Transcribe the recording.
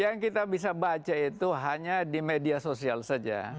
yang kita bisa baca itu hanya di media sosial saja